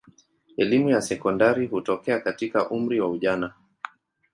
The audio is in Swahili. Elimu ya sekondari hutokea katika umri wa ujana.